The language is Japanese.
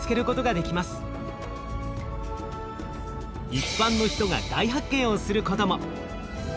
一般の人が大発見をすることも！